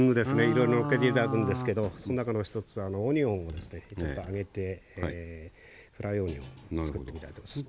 いろいろのっけて頂くんですけどその中の一つオニオンをですねちょっと揚げてフライオニオンを作ってみたいと思います。